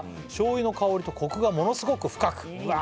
「醤油の香りとコクがものすごく深く」わ